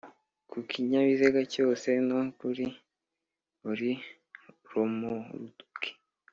Ku kinyabiziga cyose no kuri buri romoruki